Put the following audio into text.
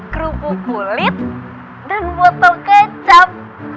kerupuk kulit dan botol kecap